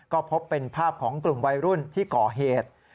ก็พบเป็นภาพของกลุ่มวัยรุ่นที่ก่อเหตุ